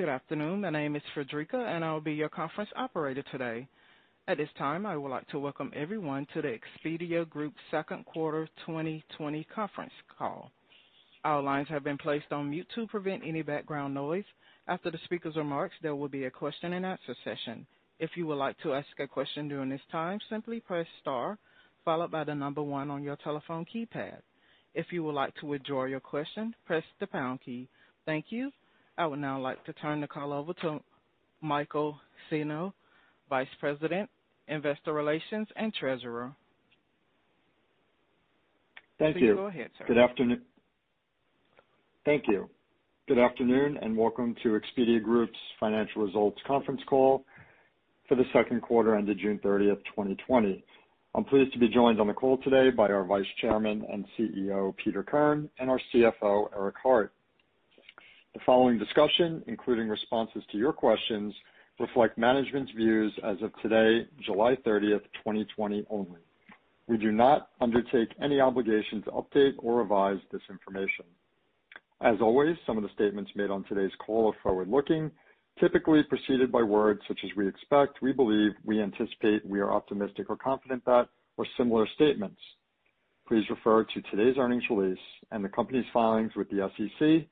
Good afternoon. My name is Fredrica. I will be your conference operator today. At this time, I would like to welcome everyone to the Expedia Group second quarter 2020 conference call. Our lines have been placed on mute to prevent any background noise. After the speaker's remarks, there will be a question and answer session. If you would like to ask a question during this time, simply press star followed by the number one on your telephone keypad. If you would like to withdraw your question, press the pound key. Thank you. I would now like to turn the call over to Michael Senno, Vice President, Investor Relations, and Treasurer. Thank you. Please go ahead, sir. Good afternoon, and welcome to Expedia Group's financial results conference call for the second quarter ended June 30th, 2020. I'm pleased to be joined on the call today by our Vice Chairman and CEO, Peter Kern, and our CFO, Eric Hart. The following discussion, including responses to your questions, reflect management's views as of today, July 30th, 2020 only. We do not undertake any obligation to update or revise this information. As always, some of the statements made on today's call are forward-looking, typically preceded by words such as "we expect," "we believe," "we anticipate," "we are optimistic" or "confident that," or similar statements. Please refer to today's earnings release and the company's filings with the SEC for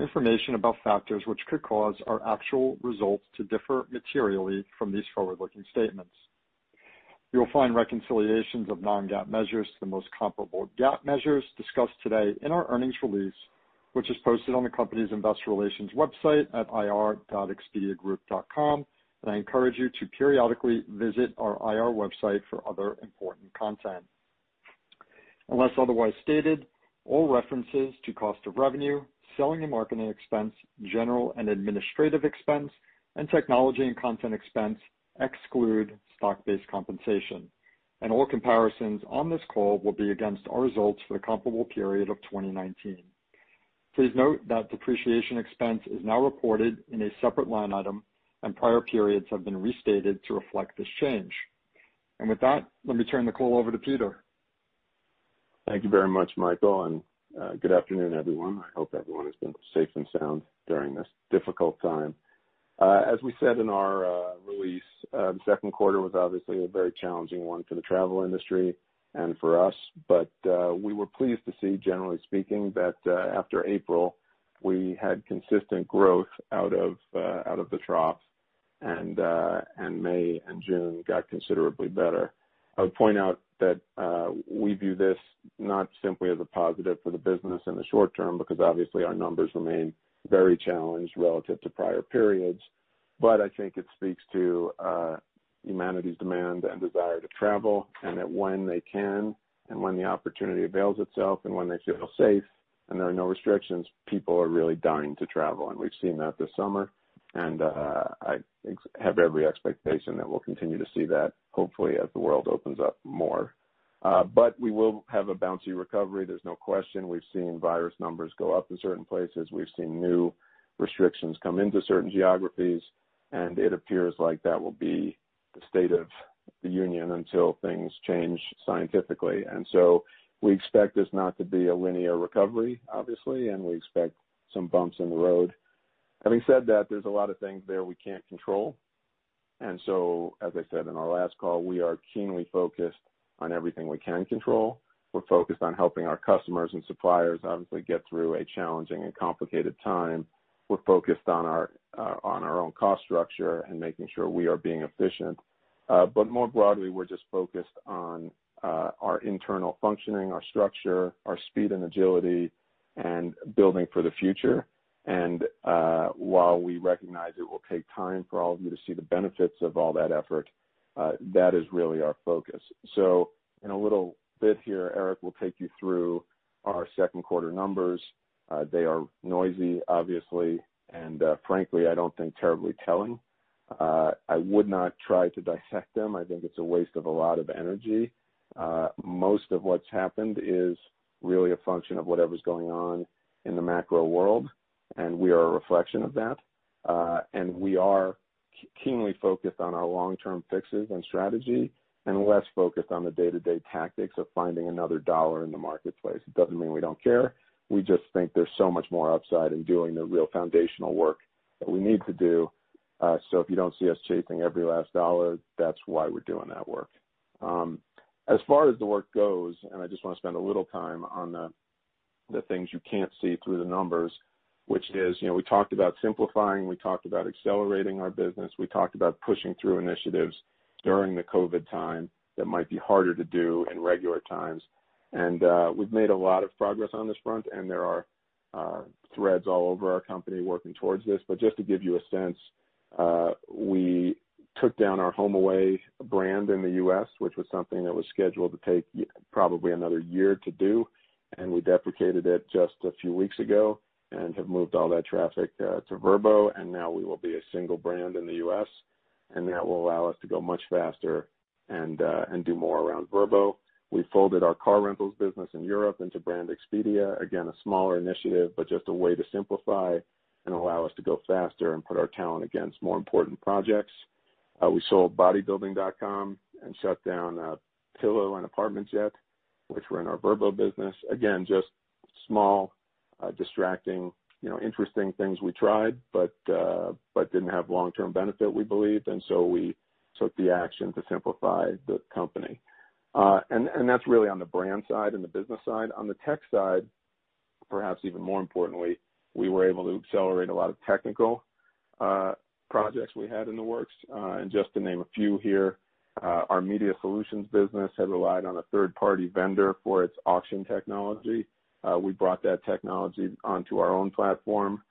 information about factors which could cause our actual results to differ materially from these forward-looking statements. You will find reconciliations of non-GAAP measures to the most comparable GAAP measures discussed today in our earnings release, which is posted on the company's investor relations website at ir.expediagroup.com. I encourage you to periodically visit our IR website for other important content. Unless otherwise stated, all references to cost of revenue, selling and marketing expense, general and administrative expense, and technology and content expense exclude stock-based compensation, and all comparisons on this call will be against our results for the comparable period of 2019. Please note that depreciation expense is now reported in a separate line item, and prior periods have been restated to reflect this change. With that, let me turn the call over to Peter. Thank you very much, Michael, and good afternoon, everyone. I hope everyone has been safe and sound during this difficult time. As we said in our release, the second quarter was obviously a very challenging one for the travel industry and for us. We were pleased to see, generally speaking, that after April, we had consistent growth out of the trough, and May and June got considerably better. I would point out that we view this not simply as a positive for the business in the short term because obviously, our numbers remain very challenged relative to prior periods, but I think it speaks to humanity's demand and desire to travel, and that when they can, and when the opportunity avails itself, and when they feel safe, and there are no restrictions, people are really dying to travel. We've seen that this summer, and I have every expectation that we'll continue to see that hopefully as the world opens up more. We will have a bouncy recovery, there's no question. We've seen virus numbers go up in certain places. We've seen new restrictions come into certain geographies, and it appears like that will be the state of the union until things change scientifically. We expect this not to be a linear recovery, obviously, and we expect some bumps in the road. Having said that, there's a lot of things there we can't control. As I said in our last call, we are keenly focused on everything we can control. We're focused on helping our customers and suppliers obviously get through a challenging and complicated time. We're focused on our own cost structure and making sure we are being efficient. More broadly, we're just focused on our internal functioning, our structure, our speed and agility, and building for the future. While we recognize it will take time for all of you to see the benefits of all that effort, that is really our focus. In a little bit here, Eric will take you through our second quarter numbers. They are noisy, obviously, and frankly, I don't think terribly telling. I would not try to dissect them. I think it's a waste of a lot of energy. Most of what's happened is really a function of whatever's going on in the macro world, and we are a reflection of that. We are keenly focused on our long-term fixes and strategy and less focused on the day-to-day tactics of finding another dollar in the marketplace. It doesn't mean we don't care. We just think there's so much more upside in doing the real foundational work that we need to do. If you don't see us chasing every last dollar, that's why we're doing that work. As far as the work goes, and I just want to spend a little time on the things you can't see through the numbers, which is we talked about simplifying, we talked about accelerating our business, we talked about pushing through initiatives during the COVID time that might be harder to do in regular times. We've made a lot of progress on this front, and there are threads all over our company working towards this. Just to give you a sense, we took down our HomeAway brand in the U.S., which was something that was scheduled to take probably another year to do, and we deprecated it just a few weeks ago and have moved all that traffic to Vrbo, and now we will be a single brand in the U.S., and that will allow us to go much faster and do more around Vrbo. We folded our car rentals business in Europe into Brand Expedia. Again, a smaller initiative, but just a way to simplify and allow us to go faster and put our talent against more important projects. We sold Bodybuilding.com and shut down Pillow and ApartmentJet, which were in our Vrbo business. Again, just small distracting interesting things we tried but didn't have long-term benefit, we believe, and so we took the action to simplify the company. That's really on the brand side and the business side. On the tech side, perhaps even more importantly, we were able to accelerate a lot of technical projects we had in the works. Just to name a few here, our Media Solutions business had relied on a third-party vendor for its auction technology. We brought that technology onto our own platform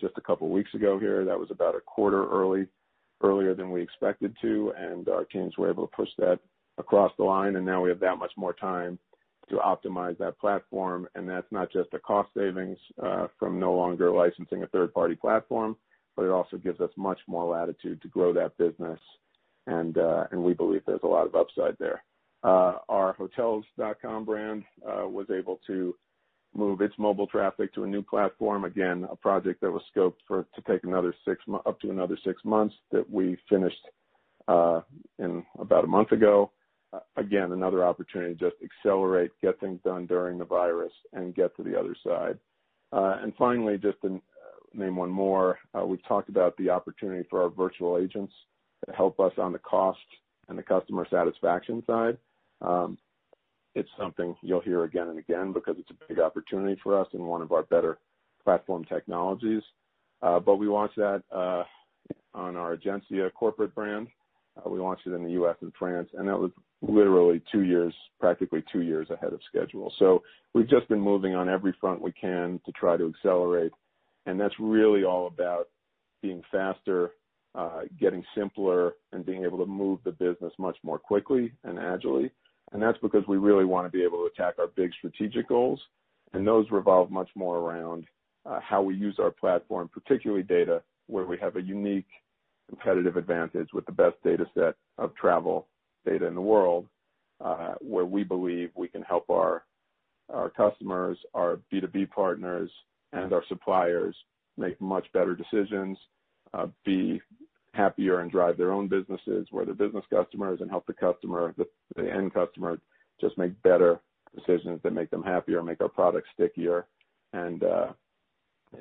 just a couple of weeks ago here. That was about a quarter earlier than we expected to, and our teams were able to push that across the line, and now we have that much more time to optimize that platform. That's not just a cost savings from no longer licensing a third-party platform, but it also gives us much more latitude to grow that business, and we believe there's a lot of upside there. Our Hotels.com brand was able to move its mobile traffic to a new platform, again, a project that was scoped to take up to another six months that we finished about a month ago. Again, another opportunity to just accelerate, get things done during the virus, and get to the other side. Finally, just to name one more, we've talked about the opportunity for our virtual agents to help us on the cost and the customer satisfaction side. It's something you'll hear again and again because it's a big opportunity for us and one of our better platform technologies. We launched that on our Egencia corporate brand. We launched it in the U.S. and France, and that was literally practically two years ahead of schedule. We've just been moving on every front we can to try to accelerate, that's really all about being faster, getting simpler, and being able to move the business much more quickly and agilely. That's because we really want to be able to attack our big strategic goals, and those revolve much more around how we use our platform, particularly data, where we have a unique competitive advantage with the best data set of travel data in the world, where we believe we can help our customers, our B2B partners, and our suppliers make much better decisions, be happier, and drive their own businesses where they're business customers, and help the end customer just make better decisions that make them happier, make our products stickier, and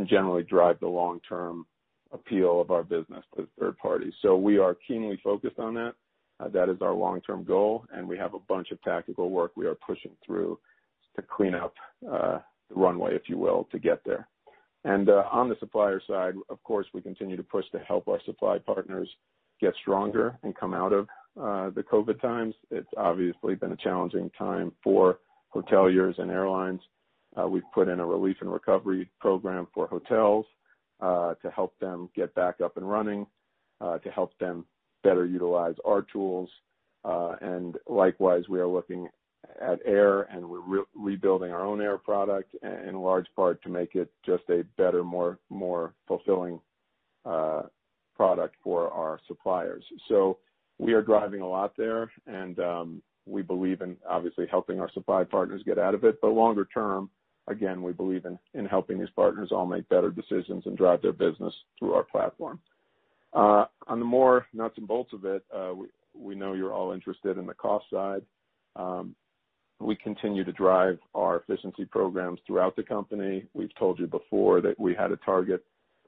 generally drive the long-term appeal of our business to third parties. We are keenly focused on that. That is our long-term goal, and we have a bunch of tactical work we are pushing through to clean up the runway, if you will, to get there. On the supplier side, of course, we continue to push to help our supply partners get stronger and come out of the COVID-19 times. It's obviously been a challenging time for hoteliers and airlines. We've put in a relief and recovery program for hotels to help them get back up and running, to help them better utilize our tools. Likewise, we are looking at air and we're rebuilding our own air product in large part to make it just a better, more fulfilling product for our suppliers. We are driving a lot there and we believe in obviously helping our supply partners get out of it, but longer term, again, we believe in helping these partners all make better decisions and drive their business through our platform. On the more nuts and bolts of it, we know you're all interested in the cost side. We continue to drive our efficiency programs throughout the company. We've told you before that we had a target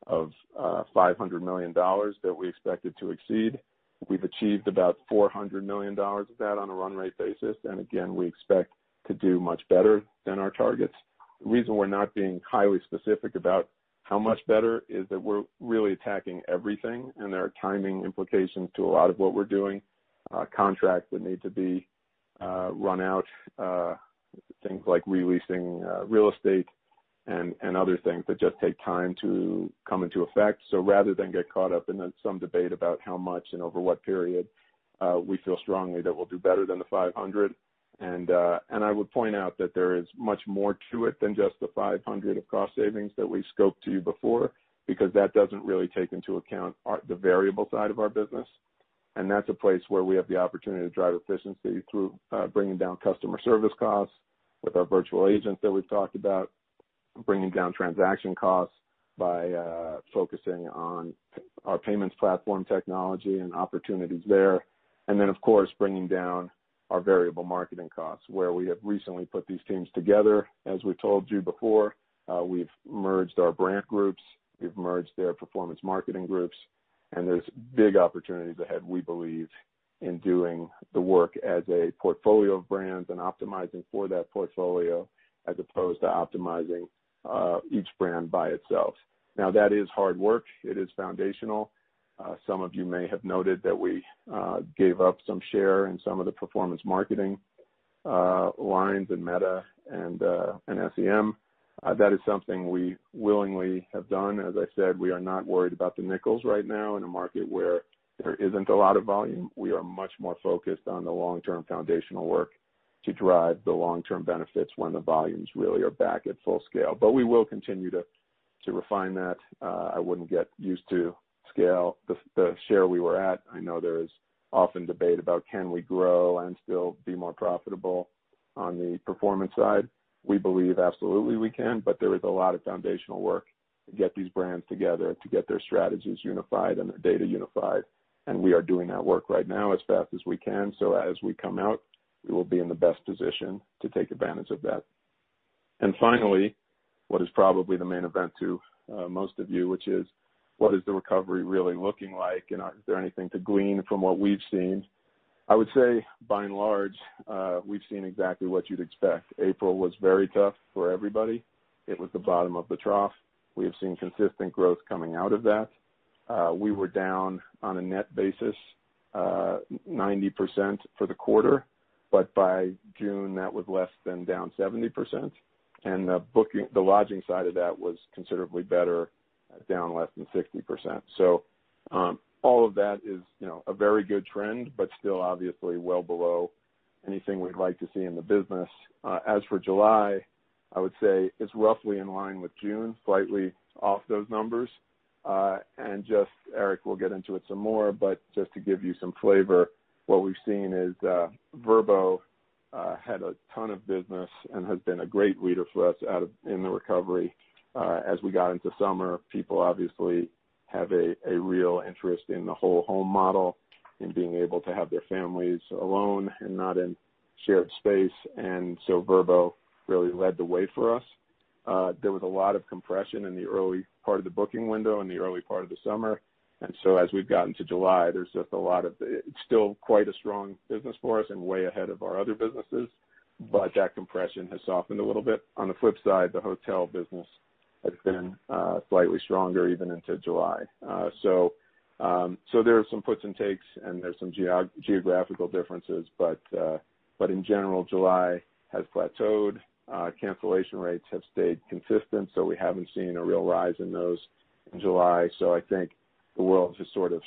of $500 million that we expected to exceed. We've achieved about $400 million of that on a run rate basis, and again, we expect to do much better than our targets. The reason we're not being highly specific about how much better is that we're really attacking everything, and there are timing implications to a lot of what we're doing. Contracts that need to be run out, things like re-leasing real estate and other things that just take time to come into effect. Rather than get caught up in some debate about how much and over what period, we feel strongly that we'll do better than the $500. I would point out that there is much more to it than just the $500 of cost savings that we scoped to you before, because that doesn't really take into account the variable side of our business, and that's a place where we have the opportunity to drive efficiency through bringing down customer service costs with our virtual agents that we've talked about, bringing down transaction costs by focusing on our payments platform technology and opportunities there, and then, of course, bringing down our variable marketing costs, where we have recently put these teams together. As we told you before, we've merged our brand groups, we've merged their performance marketing groups, and there's big opportunities ahead, we believe, in doing the work as a portfolio of brands and optimizing for that portfolio as opposed to optimizing each brand by itself. That is hard work. It is foundational. Some of you may have noted that we gave up some share in some of the performance marketing lines in Meta and SEM. That is something we willingly have done. As I said, we are not worried about the nickels right now in a market where there isn't a lot of volume. We are much more focused on the long-term foundational work to drive the long-term benefits when the volumes really are back at full scale. We will continue to refine that. I wouldn't get used to the share we were at. I know there is often debate about can we grow and still be more profitable. On the performance side, we believe absolutely we can, but there is a lot of foundational work to get these brands together, to get their strategies unified and their data unified. We are doing that work right now as fast as we can, so as we come out, we will be in the best position to take advantage of that. Finally, what is probably the main event to most of you, which is: What is the recovery really looking like? Is there anything to glean from what we've seen? I would say, by and large, we've seen exactly what you'd expect. April was very tough for everybody. It was the bottom of the trough. We have seen consistent growth coming out of that. We were down on a net basis, 90% for the quarter. By June, that was less than down 70%. The lodging side of that was considerably better, down less than 60%. All of that is a very good trend, but still obviously well below anything we'd like to see in the business. As for July, I would say it's roughly in line with June, slightly off those numbers. Eric will get into it some more, but just to give you some flavor, what we've seen is Vrbo had a ton of business and has been a great leader for us in the recovery. As we got into summer, people obviously have a real interest in the whole home model, in being able to have their families alone and not in shared space. Vrbo really led the way for us. There was a lot of compression in the early part of the booking window, in the early part of the summer. As we've got into July, it's still quite a strong business for us and way ahead of our other businesses. That compression has softened a little bit. On the flip side, the hotel business has been slightly stronger even into July. There are some puts and takes, and there's some geographical differences. In general, July has plateaued. Cancellation rates have stayed consistent, so we haven't seen a real rise in those in July. I think the world has sort of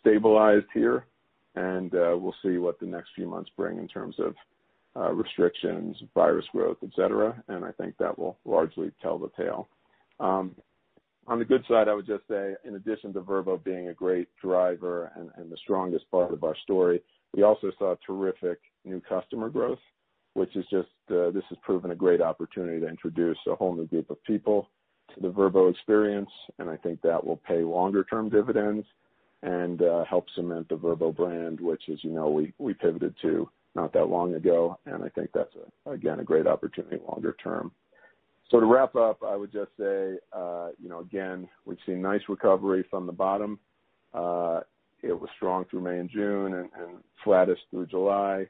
stabilized here, and we'll see what the next few months bring in terms of restrictions, virus growth, et cetera, and I think that will largely tell the tale. On the good side, I would just say, in addition to Vrbo being a great driver and the strongest part of our story, we also saw terrific new customer growth, which this has proven a great opportunity to introduce a whole new group of people to the Vrbo experience, and I think that will pay longer-term dividends and help cement the Vrbo brand, which as you know, we pivoted to not that long ago. I think that's, again, a great opportunity longer term. To wrap up, I would just say again, we've seen nice recovery from the bottom. It was strong through May and June and flattish through July.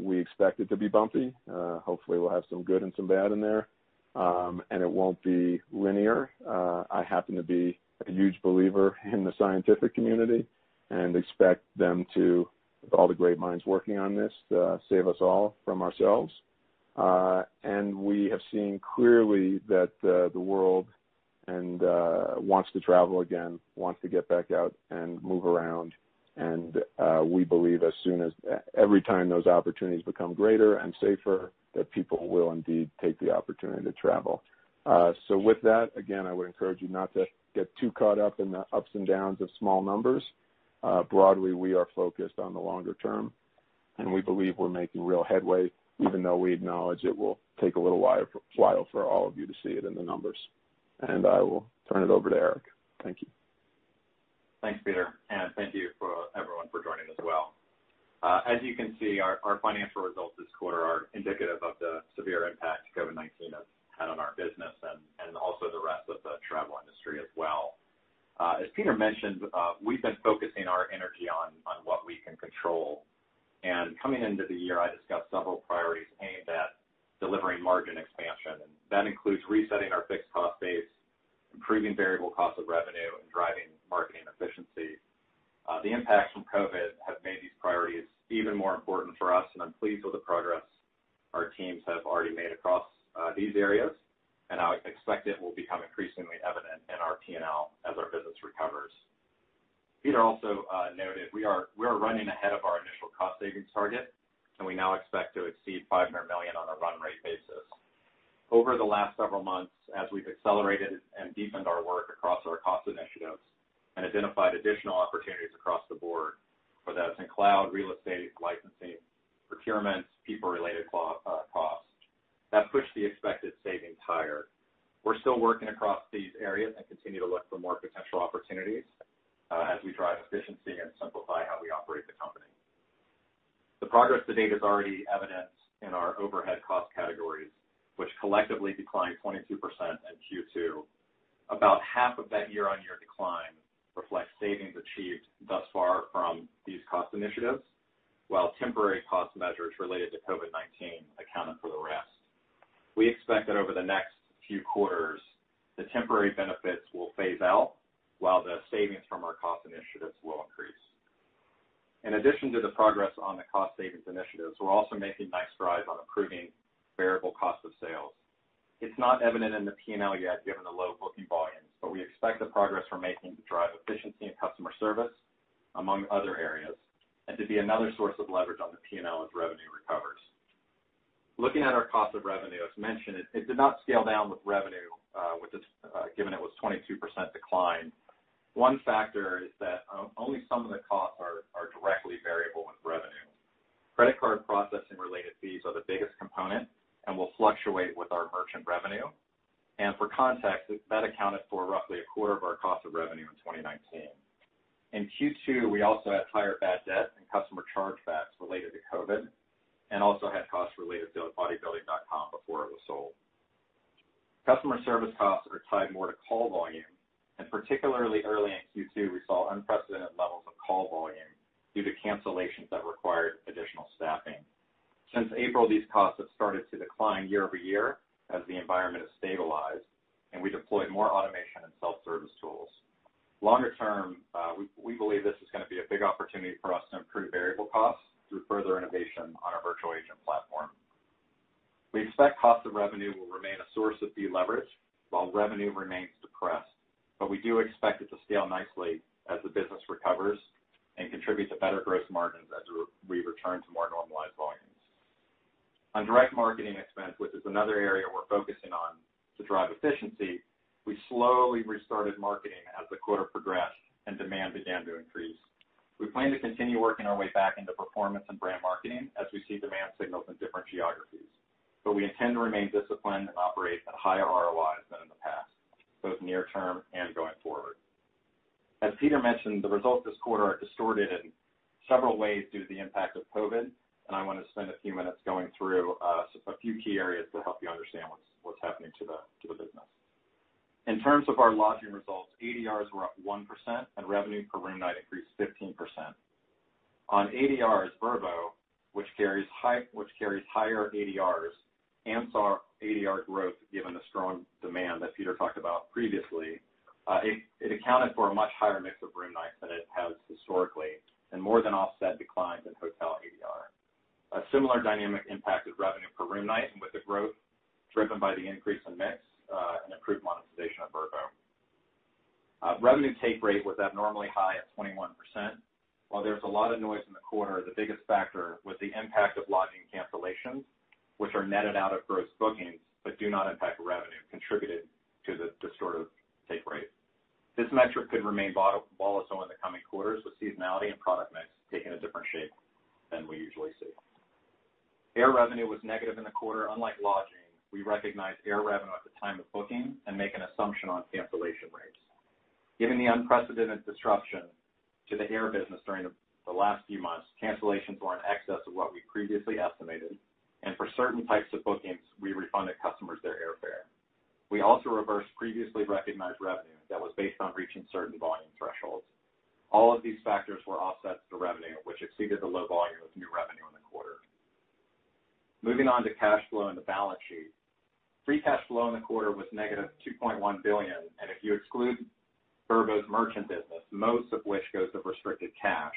We expect it to be bumpy. Hopefully, we'll have some good and some bad in there. It won't be linear. I happen to be a huge believer in the scientific community and expect them to, with all the great minds working on this, save us all from ourselves. We have seen clearly that the world wants to travel again, wants to get back out and move around. We believe every time those opportunities become greater and safer, that people will indeed take the opportunity to travel. With that, again, I would encourage you not to get too caught up in the ups and downs of small numbers. Broadly, we are focused on the longer term, and we believe we're making real headway, even though we acknowledge it will take a little while for all of you to see it in the numbers. I will turn it over to Eric. Thank you. Thanks, Peter, and thank you for everyone for joining as well. As you can see, our financial results this quarter are indicative of the severe impact COVID-19 has had on our business and also the rest of the travel industry as well. As Peter mentioned, we've been focusing our energy on what we can control. Coming into the year, I discussed several priorities aimed at delivering margin expansion. That includes resetting our fixed cost base, improving variable cost of revenue, and driving marketing efficiency. The impacts from COVID have made these priorities even more important for us, and I'm pleased with the progress our teams have already made across these areas, and I expect it will become increasingly evident in our P&L as our business recovers. Peter also noted we are running ahead of our initial cost savings target, and we now expect to exceed $500 million on a run rate basis. Over the last several months, as we've accelerated and deepened our work across our cost initiatives and identified additional opportunities across the board, whether that's in cloud, real estate, licensing, procurements, people related costs, that pushed the expected savings higher. We're still working across these areas and continue to look for more potential opportunities as we drive efficiency and simplify how we operate the company. The progress to date is already evidenced in our overhead cost categories, which collectively declined 22% in Q2. About half of that year-on-year decline reflects savings achieved thus far from these cost initiatives, while temporary cost measures related to COVID-19 accounted for the rest. We expect that over the next few quarters, the temporary benefits will phase out, while the savings from our cost initiatives will increase. In addition to the progress on the cost savings initiatives, we're also making nice strides on improving variable cost of sales. It's not evident in the P&L yet, given the low booking volumes, but we expect the progress we're making to drive efficiency and customer service, among other areas, and to be another source of leverage on the P&L as revenue recovers. Looking at our cost of revenue, as mentioned, it did not scale down with revenue, which is given it was 22% decline. One factor is that only some of the costs are directly variable with revenue. Credit card processing related fees are the biggest component and will fluctuate with our merchant revenue. For context, that accounted for roughly a quarter of our cost of revenue in 2019. In Q2, we also had higher bad debt and customer chargebacks related to COVID, and also had costs related to Bodybuilding.com before it was sold. Customer service costs are tied more to call volume, and particularly early in Q2, we saw unprecedented levels of call volume due to cancellations that required additional staffing. Since April, these costs have started to decline year-over-year as the environment has stabilized, and we deployed more automation and self-service tools. Longer term, we believe this is going to be a big opportunity for us to improve variable costs through further innovation on our virtual agent platform. We expect cost of revenue will remain a source of deleverage while revenue remains depressed, but we do expect it to scale nicely as the business recovers and contribute to better gross margins as we return to more normalized volumes. On direct marketing expense, which is another area we're focusing on to drive efficiency, we slowly restarted marketing as the quarter progressed and demand began to increase. We plan to continue working our way back into performance and brand marketing as we see demand signals in different geographies, but we intend to remain disciplined and operate at higher ROIs than in the past, both near term and going forward. As Peter mentioned, the results this quarter are distorted in several ways due to the impact of COVID, and I want to spend a few minutes going through a few key areas to help you understand what's happening to the business. In terms of our lodging results, ADRs were up 1% and revenue per room night increased 15%. On ADRs, Vrbo, which carries higher ADRs, amps our ADR growth given the strong demand that Peter talked about previously. It accounted for a much higher mix of room nights than it has historically and more than offset declines in hotel ADR. A similar dynamic impacted revenue per room night and with the growth driven by the increase in mix and improved monetization of Vrbo. Revenue take rate was abnormally high at 21%. While there was a lot of noise in the quarter, the biggest factor was the impact of lodging cancellations, which are netted out of gross bookings but do not impact revenue contributed to the sort of take rate. This metric could remain volatile in the coming quarters with seasonality and product mix taking a different shape than we usually see. Air revenue was negative in the quarter. Unlike lodging, we recognize air revenue at the time of booking and make an assumption on cancellation rates. Given the unprecedented disruption to the air business during the last few months, cancellations were in excess of what we previously estimated, and for certain types of bookings, we refunded customers their airfare. We also reversed previously recognized revenue that was based on reaching certain volume thresholds. All of these factors were offsets to revenue, which exceeded the low volume of new revenue in the quarter. Moving on to cash flow and the balance sheet. Free cash flow in the quarter was -$2.1 billion, and if you exclude Vrbo's merchant business, most of which goes to restricted cash,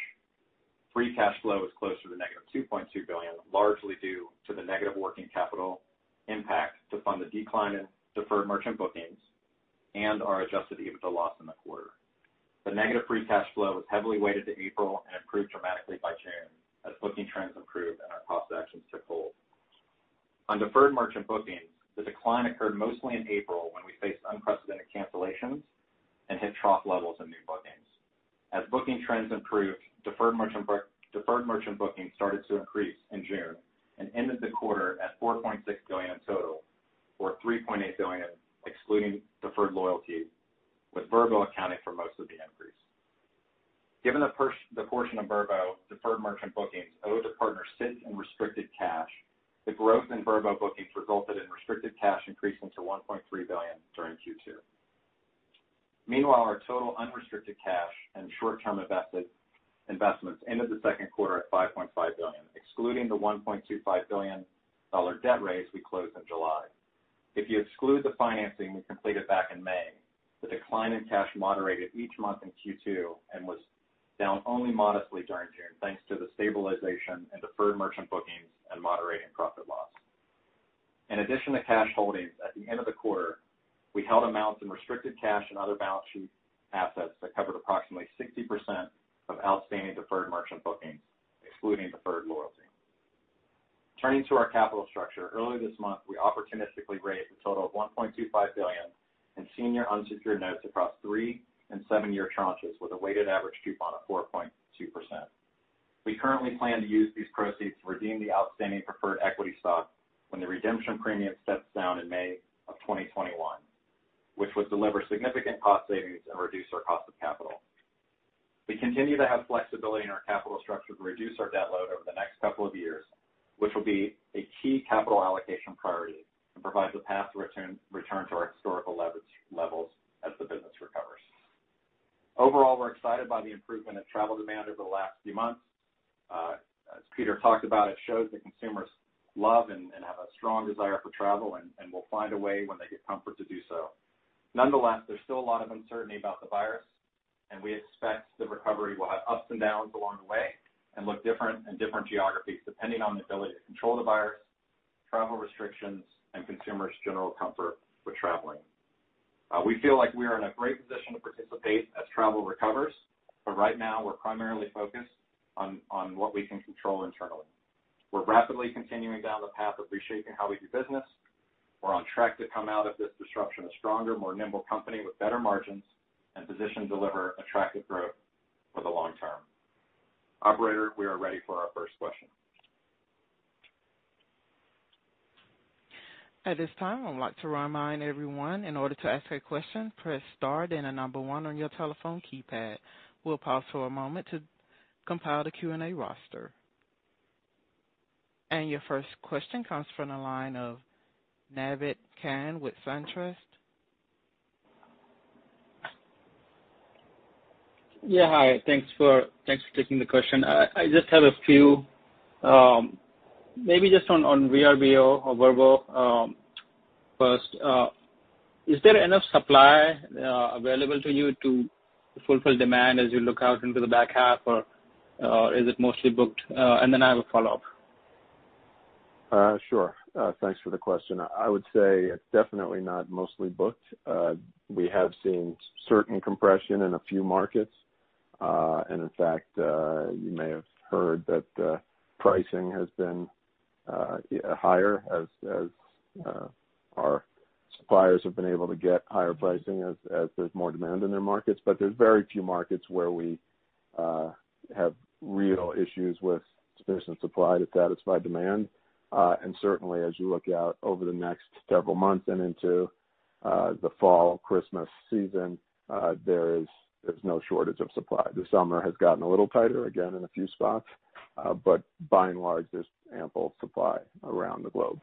free cash flow is closer to -$2.2 billion, largely due to the negative working capital impact to fund the decline in deferred merchant bookings and our adjusted EBITDA loss in the quarter. The negative free cash flow was heavily weighted to April and improved dramatically by June as booking trends improved and our cost actions took hold. On deferred merchant bookings, the decline occurred mostly in April when we faced unprecedented cancellations and hit trough levels in new bookings. As booking trends improved, deferred merchant bookings started to increase in June and ended the quarter at $4.6 billion in total or $3.8 billion excluding deferred loyalty, with Vrbo accounting for most of the increase. Given the portion of Vrbo deferred merchant bookings owed to partners sit in restricted cash, the growth in Vrbo bookings resulted in restricted cash increasing to $1.3 billion during Q2. Meanwhile, our total unrestricted cash and short-term investments ended the second quarter at $5.5 billion, excluding the $1.25 billion debt raise we closed in July. If you exclude the financing we completed back in May, the decline in cash moderated each month in Q2 and was down only modestly during June, thanks to the stabilization in deferred merchant bookings and moderating profit loss. In addition to cash holdings, at the end of the quarter, we held amounts in restricted cash and other balance sheet assets that covered approximately 60% of outstanding deferred merchant bookings, excluding deferred loyalty. Turning to our capital structure, earlier this month, we opportunistically raised a total of $1.25 billion in senior unsecured notes across three and seven-year tranches with a weighted average coupon of 4.2%. We currently plan to use these proceeds to redeem the outstanding preferred equity stock when the redemption premium steps down in May of 2021, which would deliver significant cost savings and reduce our cost of capital. We continue to have flexibility in our capital structure to reduce our debt load over the next couple of years, which will be a key capital allocation priority and provides a path to return to our historical leverage levels as the business recovers. Overall, we're excited by the improvement in travel demand over the last few months. As Peter talked about, it shows that consumers love and have a strong desire for travel and will find a way when they get comfort to do so. There's still a lot of uncertainty about the virus, and we expect the recovery will have ups and downs along the way and look different in different geographies depending on the ability to control the virus, travel restrictions, and consumers' general comfort with traveling. We feel like we are in a great position to participate as travel recovers, but right now we're primarily focused on what we can control internally. We're rapidly continuing down the path of reshaping how we do business. We're on track to come out of this disruption a stronger, more nimble company with better margins and positioned to deliver attractive growth for the long term. Operator, we are ready for our first question. At this time, I would like to remind everyone, in order to ask a question, press star then the number one on your telephone keypad. We'll pause for a moment to compile the Q&A roster. Your first question comes from the line of Naved Khan with SunTrust. Yeah, hi. Thanks for taking the question. I just have a few. Maybe just on VRBO or Vrbo first. Is there enough supply available to you to fulfill demand as you look out into the back half, or is it mostly booked? Then I have a follow-up. Sure. Thanks for the question. I would say it's definitely not mostly booked. We have seen certain compression in a few markets. In fact, you may have heard that pricing has been higher as our suppliers have been able to get higher pricing as there's more demand in their markets. There's very few markets where we have real issues with sufficient supply to satisfy demand. Certainly as you look out over the next several months and into the fall, Christmas season, there's no shortage of supply. The summer has gotten a little tighter again in a few spots, but by and large, there's ample supply around the globe.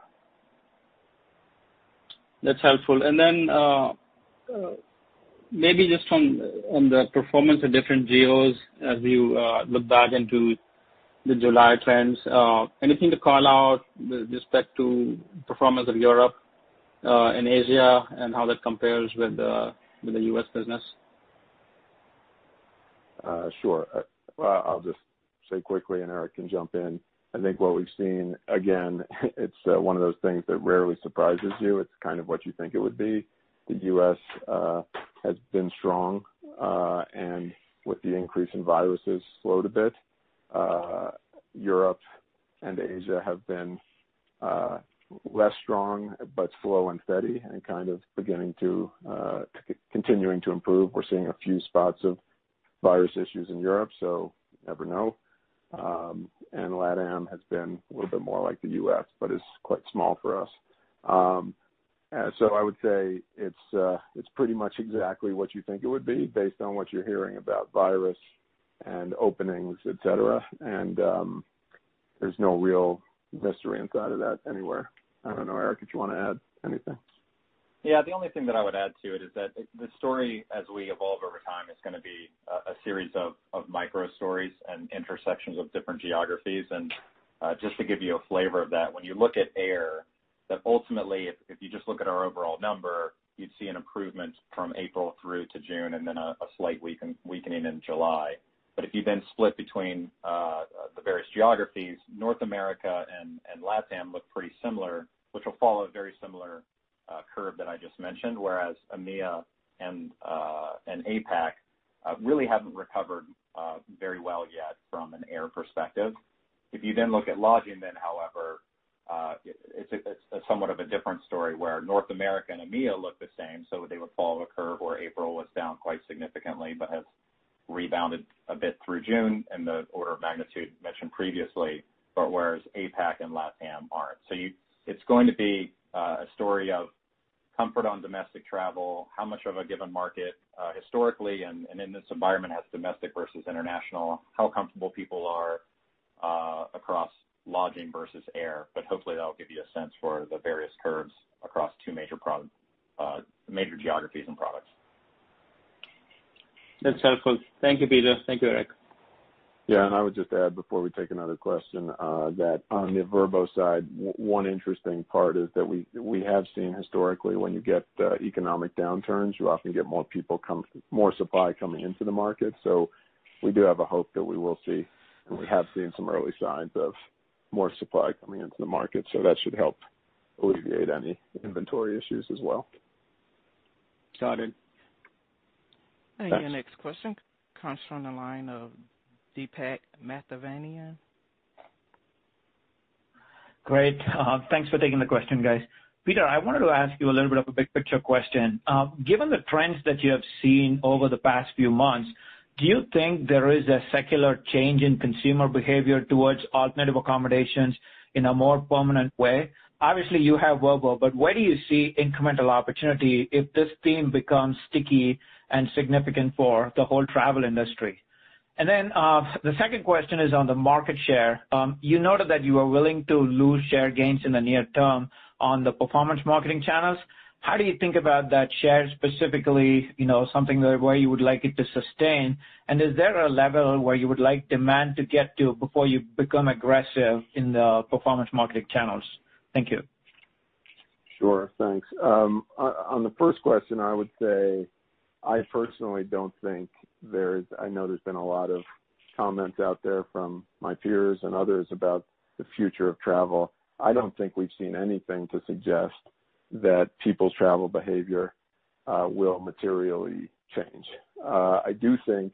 That's helpful. Then, maybe just on the performance of different geos as you look back into the July trends, anything to call out with respect to performance of Europe and Asia and how that compares with the U.S. business? Sure. I'll just say quickly, and Eric can jump in. I think what we've seen, again, it's one of those things that rarely surprises you. It's kind of what you think it would be. The U.S. has been strong, and with the increase in viruses, slowed a bit. Europe and Asia have been less strong, but slow and steady and kind of continuing to improve. We're seeing a few spots of virus issues in Europe, so you never know. LATAM has been a little bit more like the U.S., but is quite small for us. I would say it's pretty much exactly what you think it would be based on what you're hearing about virus and openings, et cetera, and there's no real mystery inside of that anywhere. I don't know, Eric, if you want to add anything. The only thing that I would add to it is that the story as we evolve over time is going to be a series of micro stories and intersections of different geographies. Just to give you a flavor of that, when you look at air, that ultimately if you just look at our overall number, you'd see an improvement from April through to June and then a slight weakening in July. If you then split between the various geographies, North America and LATAM look pretty similar, which will follow a very similar curve that I just mentioned, whereas EMEA and APAC really haven't recovered very well yet from an air perspective. If you then look at lodging then, however, it's somewhat of a different story, where North America and EMEA look the same, so they would follow a curve where April was down quite significantly but has rebounded a bit through June in the order of magnitude mentioned previously, but whereas APAC and LATAM aren't. It's going to be a story of comfort on domestic travel, how much of a given market historically and in this environment has domestic versus international, how comfortable people are across lodging versus air, but hopefully that will give you a sense for the various curves across two major geographies and products. That's helpful. Thank you, Peter. Thank you, Eric. Yeah, I would just add before we take another question, that on the Vrbo side, one interesting part is that we have seen historically when you get economic downturns, you often get more supply coming into the market. We do have a hope that we will see, and we have seen some early signs of more supply coming into the market, so that should help alleviate any inventory issues as well. Got it. Your next question comes from the line of Deepak Mathivanan. Great. Thanks for taking the question, guys. Peter, I wanted to ask you a little bit of a big picture question. Given the trends that you have seen over the past few months, do you think there is a secular change in consumer behavior towards alternative accommodations in a more permanent way? Obviously, you have Vrbo, but where do you see incremental opportunity if this theme becomes sticky and significant for the whole travel industry? The second question is on the market share. You noted that you are willing to lose share gains in the near term on the performance marketing channels. How do you think about that share specifically, something where you would like it to sustain? Is there a level where you would like demand to get to before you become aggressive in the performance marketing channels? Thank you. Sure. Thanks. On the first question, I know there's been a lot of comments out there from my peers and others about the future of travel. I don't think we've seen anything to suggest that people's travel behavior will materially change. I do think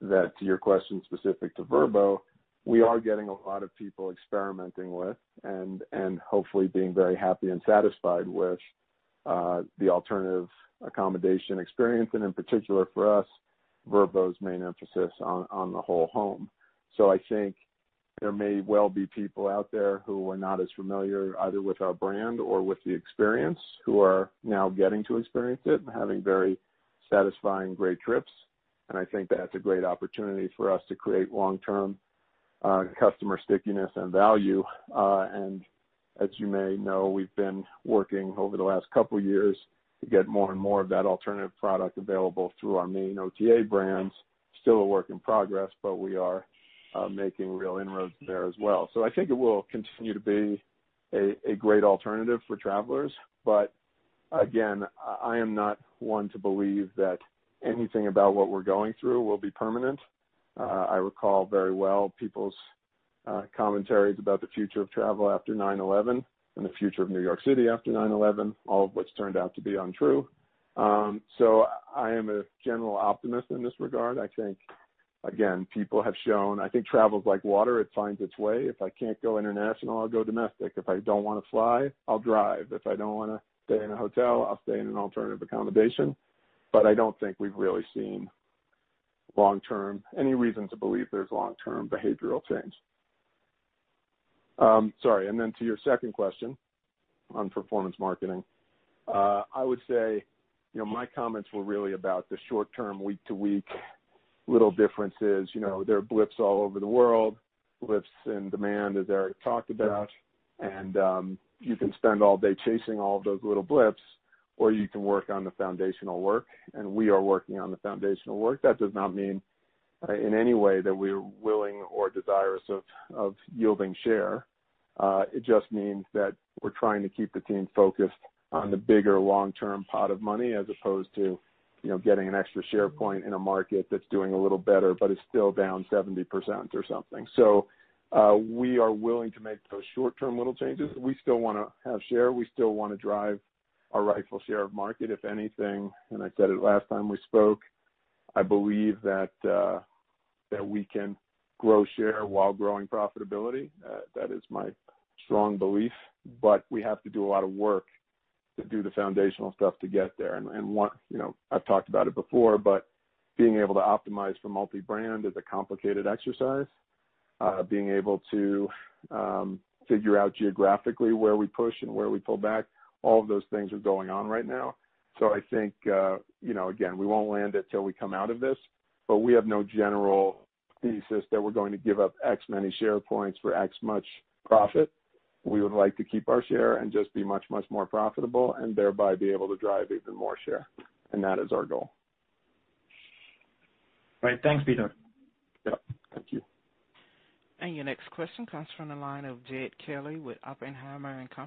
that to your question specific to Vrbo, we are getting a lot of people experimenting with and hopefully being very happy and satisfied with the alternative accommodation experience, and in particular for us, Vrbo's main emphasis on the whole home. I think there may well be people out there who were not as familiar, either with our brand or with the experience, who are now getting to experience it and having very satisfying, great trips. I think that's a great opportunity for us to create long-term customer stickiness and value. As you may know, we've been working over the last couple of years to get more and more of that alternative product available through our main OTA brands. Still a work in progress, but we are making real inroads there as well. I think it will continue to be a great alternative for travelers. Again, I am not one to believe that anything about what we're going through will be permanent. I recall very well people's commentaries about the future of travel after 9/11 and the future of New York City after 9/11, all of which turned out to be untrue. I am a general optimist in this regard. I think, again, people have shown I think travel's like water. It finds its way. If I can't go international, I'll go domestic. If I don't want to fly, I'll drive. If I don't want to stay in a hotel, I'll stay in an alternative accommodation. I don't think we've really seen any reason to believe there's long-term behavioral change. Sorry. To your second question on performance marketing, I would say my comments were really about the short term, week to week little differences. There are blips all over the world, blips in demand, as Eric talked about. You can spend all day chasing all of those little blips, or you can work on the foundational work, and we are working on the foundational work. That does not mean in any way that we're willing or desirous of yielding share. It just means that we're trying to keep the team focused on the bigger long-term pot of money as opposed to getting an extra share point in a market that's doing a little better but is still down 70% or something. We are willing to make those short-term little changes. We still want to have share. We still want to drive our rightful share of market. If anything, I said it last time we spoke, I believe that we can grow share while growing profitability. That is my strong belief. We have to do a lot of work to do the foundational stuff to get there. I've talked about it before, but being able to optimize for multi-brand is a complicated exercise. Being able to figure out geographically where we push and where we pull back, all of those things are going on right now. I think, again, we won't land it till we come out of this, but we have no general thesis that we're going to give up X many share points for X much profit. We would like to keep our share and just be much, much more profitable and thereby be able to drive even more share, and that is our goal. Right. Thanks, Peter. Yeah. Thank you. Your next question comes from the line of Jed Kelly with Oppenheimer & Co.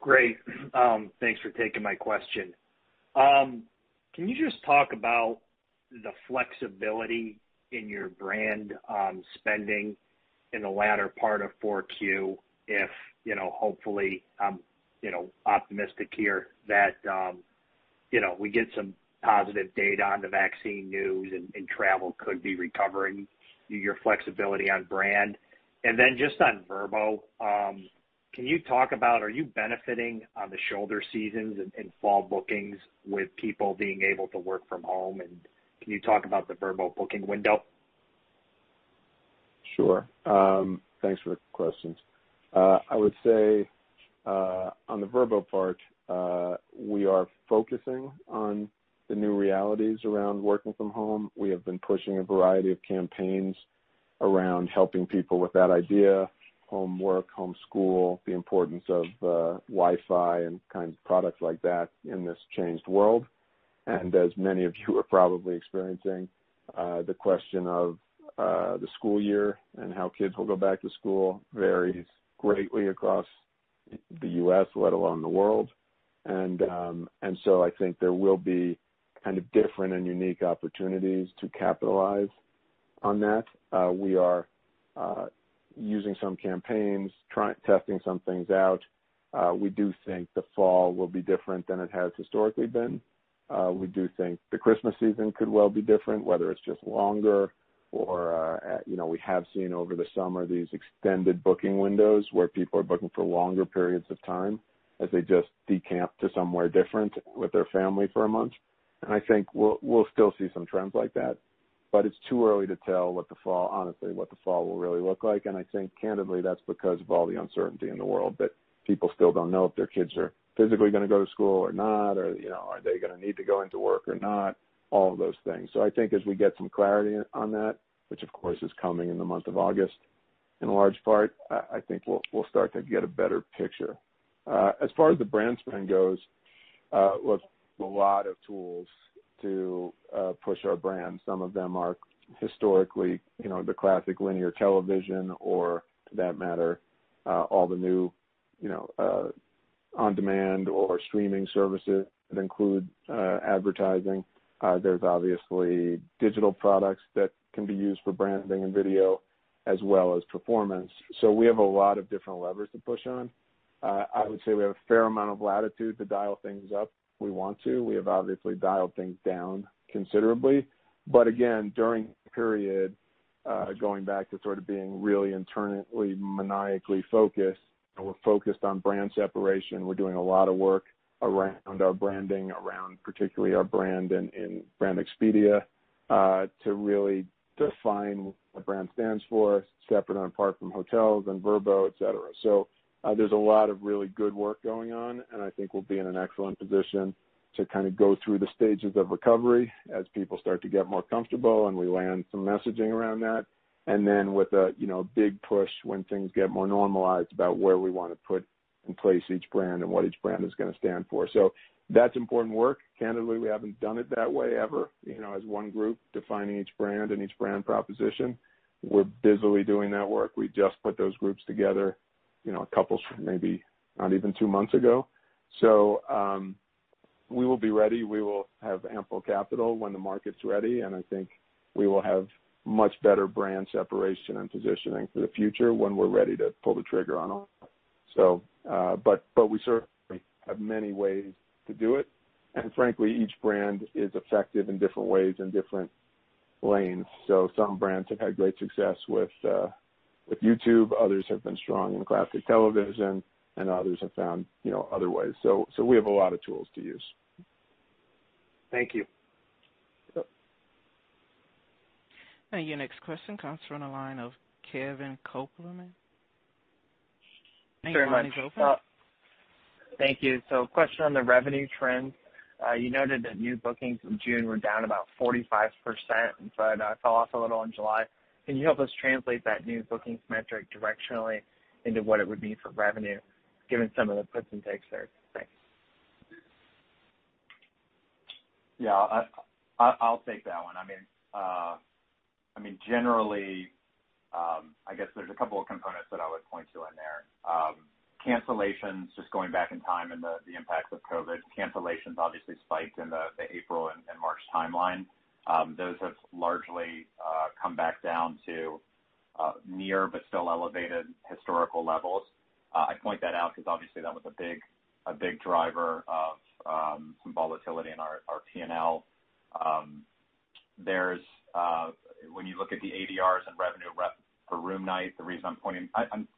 Great. Thanks for taking my question. Can you just talk about the flexibility in your brand on spending in the latter part of 4Q if hopefully, I'm optimistic here that we get some positive data on the vaccine news and travel could be recovering, your flexibility on brand. Then just on Vrbo, can you talk about, are you benefiting on the shoulder seasons and fall bookings with people being able to work from home, and can you talk about the Vrbo booking window? Sure. Thanks for the questions. I would say on the Vrbo part, we are focusing on the new realities around working from home. We have been pushing a variety of campaigns around helping people with that idea, home work, home school, the importance of Wi-Fi and kind of products like that in this changed world. As many of you are probably experiencing, the question of the school year and how kids will go back to school varies greatly across the U.S., let alone the world, and so I think there will be kind of different and unique opportunities to capitalize on that. We are using some campaigns, testing some things out. We do think the fall will be different than it has historically been. We do think the Christmas season could well be different, whether it's just longer. We have seen over the summer these extended booking windows where people are booking for longer periods of time as they just decamp to somewhere different with their family for a month. I think we'll still see some trends like that, but it's too early to tell honestly what the fall will really look like, and I think candidly, that's because of all the uncertainty in the world that people still don't know if their kids are physically going to go to school or not, or are they going to need to go into work or not, all of those things. I think as we get some clarity on that, which of course is coming in the month of August in large part, I think we'll start to get a better picture. As far as the brand spend goes, look, a lot of tools to push our brand. Some of them are historically the classic linear television or to that matter, all the new on-demand or streaming services that include advertising. There's obviously digital products that can be used for branding and video as well as performance. I would say we have a fair amount of latitude to dial things up if we want to. We have obviously dialed things down considerably, but again, during the period, going back to sort of being really internally maniacally focused, and we're focused on brand separation. We're doing a lot of work around our branding, around particularly our brand and Brand Expedia, to really define what the brand stands for, separate and apart from Hotels.com and Vrbo, et cetera. There's a lot of really good work going on, and I think we'll be in an excellent position to go through the stages of recovery as people start to get more comfortable, and we land some messaging around that. Then with a big push when things get more normalized about where we want to put in place each brand and what each brand is going to stand for. That's important work. Candidly, we haven't done it that way ever, as one group defining each brand and each brand proposition. We're busily doing that work. We just put those groups together a couple, maybe not even two months ago. We will be ready. We will have ample capital when the market's ready, and I think we will have much better brand separation and positioning for the future when we're ready to pull the trigger on all that. We certainly have many ways to do it, and frankly, each brand is effective in different ways, in different lanes. Some brands have had great success with YouTube, others have been strong in classic television, and others have found other ways. We have a lot of tools to use. Thank you. Yep. Your next question comes from the line of Kevin Kopelman. Thanks very much. Line is open. Thank you. Question on the revenue trends. You noted that new bookings in June were down about 45%, but fell off a little in July. Can you help us translate that new bookings metric directionally into what it would mean for revenue, given some of the puts and takes there? Thanks. Yeah. I'll take that one. Generally, I guess there's a couple of components that I would point to in there. Cancellations, just going back in time and the impacts of COVID, cancellations obviously spiked in the April and March timeline. Those have largely come back down to near but still elevated historical levels. I point that out because obviously that was a big driver of some volatility in our P&L. When you look at the ADRs and revenue per room night,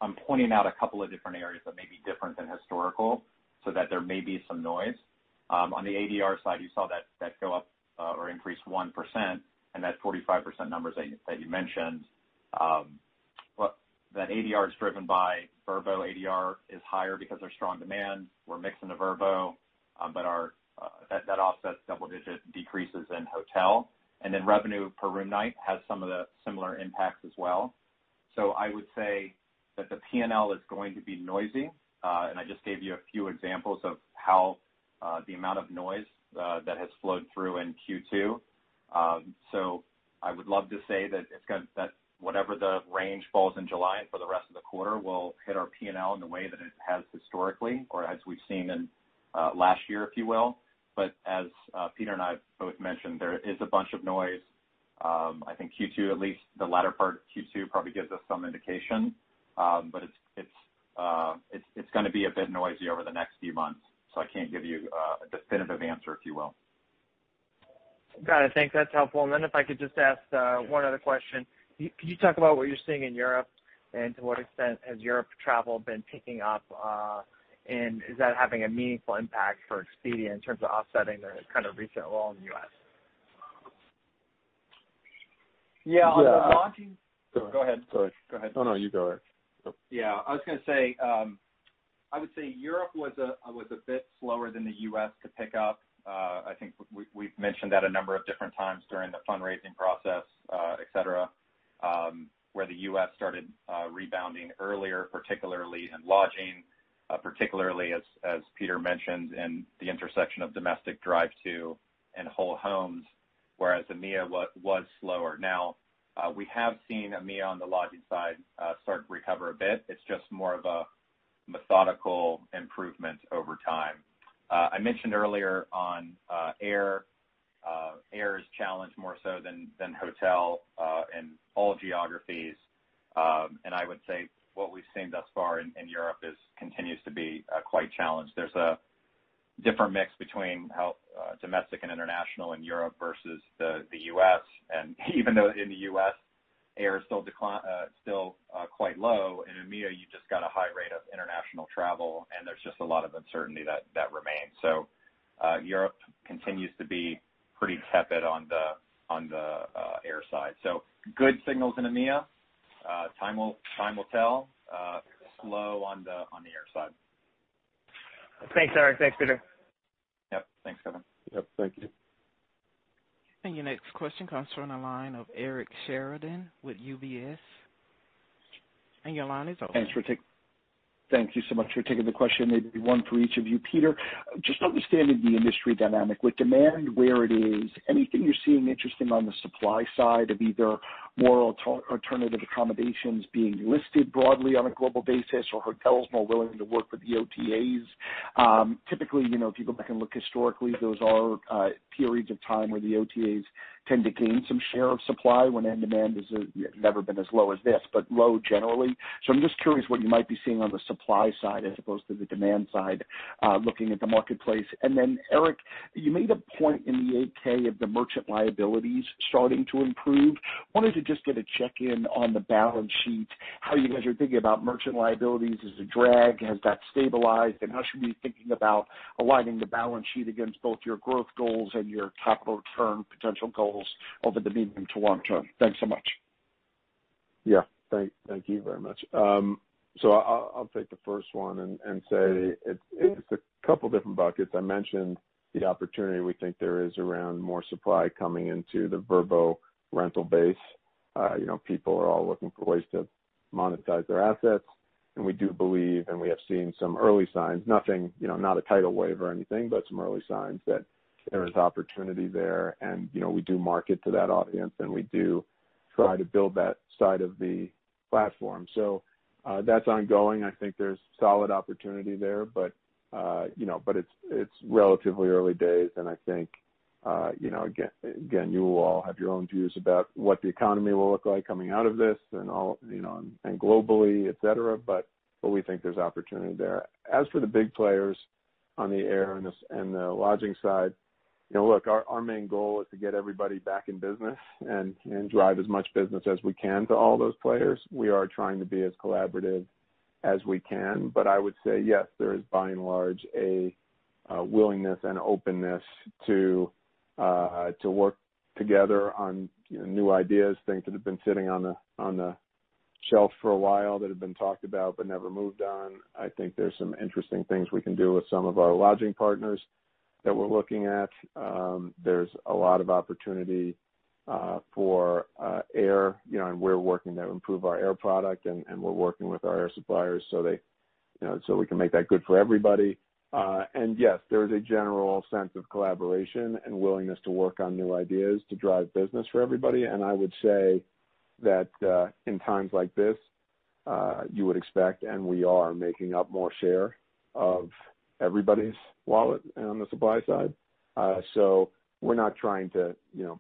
I'm pointing out a couple of different areas that may be different than historical, so that there may be some noise. On the ADR side, you saw that go up or increase 1%, and that 45% numbers that you mentioned. Well, that ADR is driven by Vrbo. ADR is higher because there's strong demand. We're mixing the Vrbo, but that offsets double-digit decreases in hotel, and then revenue per room night has some of the similar impacts as well. I would say that the P&L is going to be noisy. I just gave you a few examples of how the amount of noise that has flowed through in Q2. I would love to say that whatever the range falls in July and for the rest of the quarter will hit our P&L in the way that it has historically or as we've seen in last year, if you will. As Peter and I both mentioned, there is a bunch of noise. I think Q2, at least the latter part of Q2, probably gives us some indication. It's going to be a bit noisy over the next few months, so I can't give you a definitive answer, if you will. Got it. Thanks. That's helpful. If I could just ask one other question. Can you talk about what you're seeing in Europe, and to what extent has Europe travel been picking up? Is that having a meaningful impact for Expedia in terms of offsetting the recent lull in the U.S.? Yeah. Yeah. Go ahead. Sorry. Go ahead. Oh, no, you go, Eric. I was going to say, I would say Europe was a bit slower than the U.S. to pick up. I think we've mentioned that a number of different times during the fundraising process, et cetera, where the U.S. started rebounding earlier, particularly in lodging, particularly as Peter mentioned, in the intersection of domestic drive to and whole homes, whereas EMEA was slower. We have seen EMEA on the lodging side start to recover a bit. It's just more of a methodical improvement over time. I mentioned earlier on air. Air is challenged more so than hotel, in all geographies. I would say what we've seen thus far in Europe continues to be quite challenged. There's a different mix between how domestic and international in Europe versus the U.S. Even though in the U.S. air is still quite low, in EMEA, you've just got a high rate of international travel, and there's just a lot of uncertainty that remains. Europe continues to be pretty tepid on the air side. Good signals in EMEA. Time will tell. Slow on the air side. Thanks, Eric. Thanks, Peter. Yep. Thanks, Kevin. Yep. Thank you. Your next question comes from the line of Eric Sheridan with UBS. Your line is open. Thank you so much for taking the question. Maybe one for each of you. Peter, just understanding the industry dynamic, with demand where it is, anything you're seeing interesting on the supply side of either more alternative accommodations being listed broadly on a global basis, or hotels more willing to work with the OTAs? Typically, if you go back and look historically, those are periods of time where the OTAs tend to gain some share of supply when demand has never been as low as this, but low generally. I'm just curious what you might be seeing on the supply side as opposed to the demand side, looking at the marketplace. Then Eric, you made a point in the 8-K of the merchant liabilities starting to improve. Wanted to just get a check-in on the balance sheet, how you guys are thinking about merchant liabilities as a drag. Has that stabilized? How should we be thinking about aligning the balance sheet against both your growth goals and your capital return potential goals over the medium to long term? Thanks so much. Yeah. Thank you very much. I'll take the first one and say it is a couple different buckets. I mentioned the opportunity we think there is around more supply coming into the Vrbo rental base. People are all looking for ways to monetize their assets, and we do believe, and we have seen some early signs, nothing, not a tidal wave or anything, but some early signs that there is opportunity there. We do market to that audience, and we do try to build that side of the platform. That's ongoing. I think there's solid opportunity there, but it's relatively early days, and I think again, you will all have your own views about what the economy will look like coming out of this and globally, et cetera. We think there's opportunity there. As for the big players on the air and the lodging side, look, our main goal is to get everybody back in business and drive as much business as we can to all those players. We are trying to be as collaborative as we can. I would say yes, there is by and large a willingness and openness to work together on new ideas, things that have been sitting on the shelf for a while, that have been talked about but never moved on. I think there's some interesting things we can do with some of our lodging partners that we're looking at. There's a lot of opportunity for air, and we're working to improve our air product, and we're working with our air suppliers so we can make that good for everybody. Yes, there is a general sense of collaboration and willingness to work on new ideas to drive business for everybody. I would say that in times like this, you would expect, and we are making up more share of everybody's wallet on the supply side. We're not trying to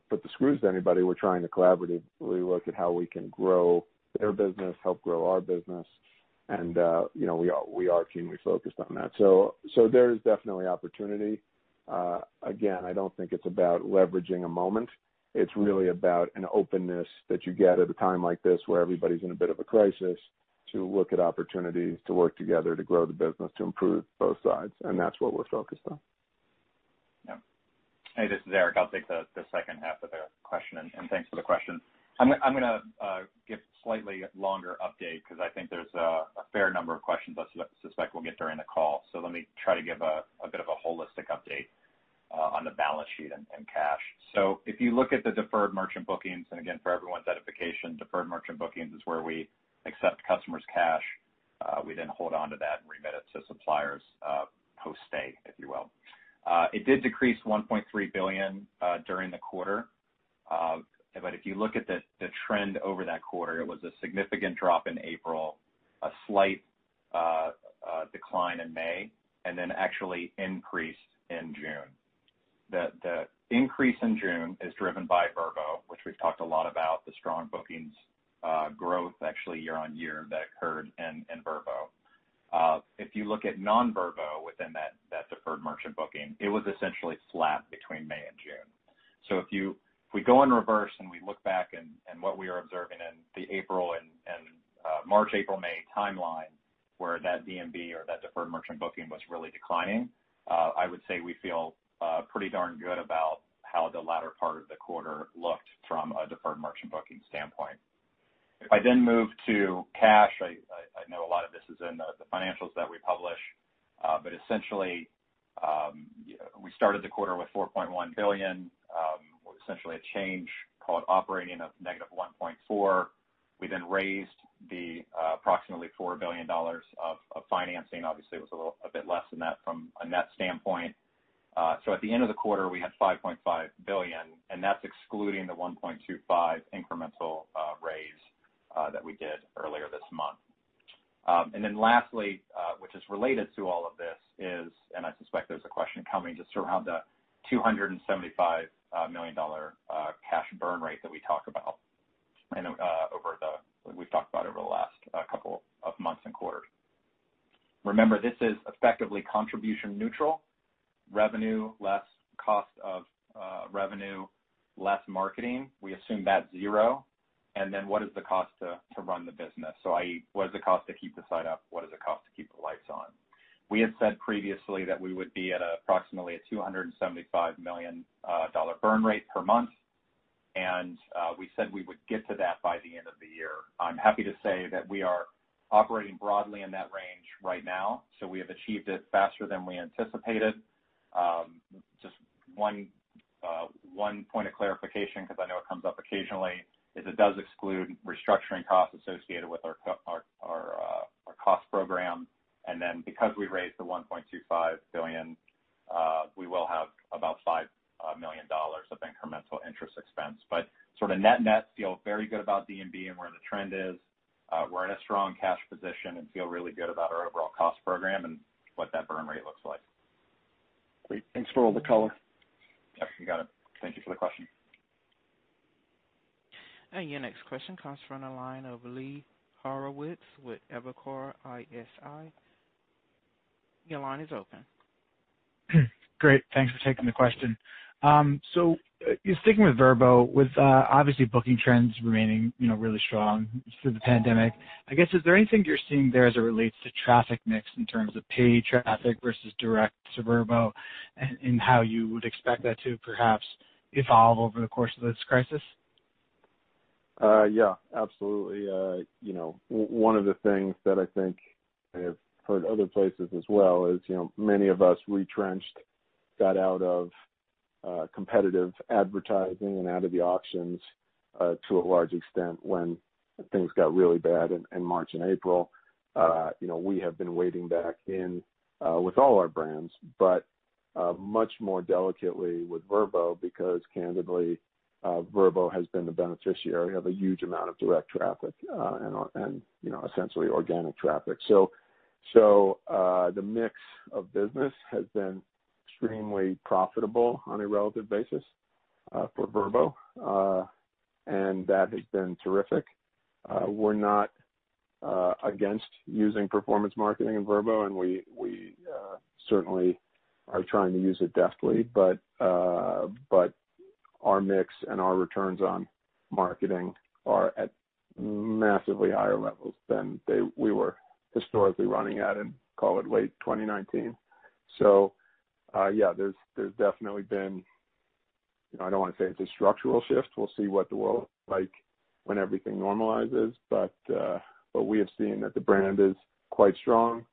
put the screws to anybody. We're trying to collaboratively look at how we can grow their business, help grow our business, and we are keenly focused on that. There is definitely opportunity. Again, I don't think it's about leveraging a moment. It's really about an openness that you get at a time like this, where everybody's in a bit of a crisis, to look at opportunities to work together to grow the business, to improve both sides. That's what we're focused on. Yeah. Hey, this is Eric. I'll take the second half of the question, and thanks for the question. I'm going to give a slightly longer update because I think there's a fair number of questions I suspect we'll get during the call. Let me try to give a bit of a holistic update on the balance sheet and cash. If you look at the deferred merchant bookings, and again, for everyone's edification, deferred merchant bookings is where we accept customers' cash. We then hold onto that and remit it to suppliers post-stay, if you will. It did decrease $1.3 billion during the quarter. If you look at the trend over that quarter, it was a significant drop in April, a slight decline in May, and then actually increased in June. The increase in June is driven by Vrbo, which we've talked a lot about, the strong bookings growth actually year-on-year that occurred in Vrbo. If you look at non-Vrbo within that deferred merchant booking, it was essentially flat between May and June. If we go in reverse and we look back and what we are observing in the March, April, May timeline, where that DMB or that deferred merchant booking was really declining, I would say we feel pretty darn good about how the latter part of the quarter looked from a deferred merchant booking standpoint. If I then move to cash, I know a lot of this is in the financials that we publish, but essentially, we started the quarter with $4.1 billion, with essentially a change called operating of -$1.4. We raised the approximately $4 billion of financing. Obviously, it was a bit less than that from a net standpoint. At the end of the quarter, we had $5.5 billion, and that's excluding the $1.25 incremental raise that we did earlier this month. Lastly, which is related to all of this is, and I suspect there's a question coming, just around the $275 million cash burn rate that we talk about, we've talked about over the last couple of months and quarters. Remember, this is effectively contribution neutral, revenue less cost of revenue, less marketing. We assume that's zero. What is the cost to run the business? I.e., what is the cost to keep the site up? What is the cost to keep the lights on? We had said previously that we would be at approximately a $275 million burn rate per month. We said we would get to that by the end of the year. I'm happy to say that we are operating broadly in that range right now. We have achieved it faster than we anticipated. Just one point of clarification, because I know it comes up occasionally, is it does exclude restructuring costs associated with our cost program. Then because we raised the $1.25 billion, we will have about $5 million of incremental interest expense. Net-net, feel very good about DMB and where the trend is. We're in a strong cash position and feel really good about our overall cost program and what that burn rate looks like. Great. Thanks for all the color. Yeah, you got it. Thank you for the question. Your next question comes from the line of Lee Horowitz with Evercore ISI. Your line is open. Great. Thanks for taking the question. Sticking with Vrbo, with obviously booking trends remaining really strong through the pandemic, I guess, is there anything you're seeing there as it relates to traffic mix in terms of paid traffic versus direct to Vrbo and how you would expect that to perhaps evolve over the course of this crisis? Yeah, absolutely. One of the things that I think I have heard other places as well is, many of us retrenched, got out of competitive advertising and out of the auctions to a large extent when things got really bad in March and April. We have been wading back in with all our brands, but much more delicately with Vrbo because candidly, Vrbo has been the beneficiary of a huge amount of direct traffic and essentially organic traffic. The mix of business has been extremely profitable on a relative basis for Vrbo, and that has been terrific. We're not against using performance marketing in Vrbo, and we certainly are trying to use it deftly, but our mix and our returns on marketing are at massively higher levels than we were historically running at in, call it late 2019. Yeah, there's definitely been, I don't want to say it's a structural shift. We'll see what the world looks like when everything normalizes. We have seen that the brand is quite strong,